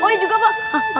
oi juga pak